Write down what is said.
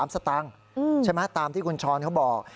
สตางค์ใช่ไหมตามที่คุณช้อนเขาบอก